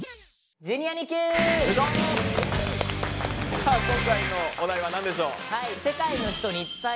さあ今回のお題は何でしょう。